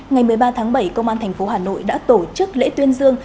ngày một mươi ba tháng bảy công an tp hà nội đã tổ chức lễ tuyên dương